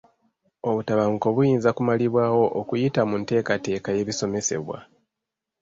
Obutabanguko buyinza kumalibwawo okuyita mu nteekateeka y'ebisomesebwa.